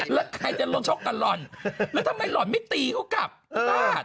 แล้วใครจะล้นชกกันหล่อนแล้วทำไมหล่อนไม่ตีเขากลับบ้าน